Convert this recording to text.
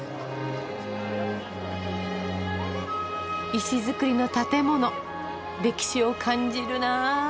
石造りの建物歴史を感じるな。